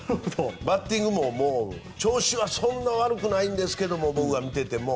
バッティングももう、調子はそんなに悪くないんですが僕が見ていても。